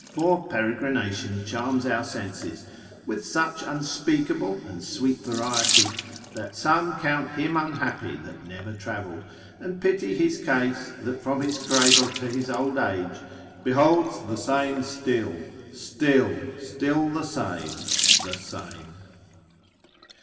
For peregrination charms our senses with such unspeakable and sweet variety, that some count him unhappy that never travelled, and pity his case, that from his cradle to his old age beholds the same still; still, still the same, the same.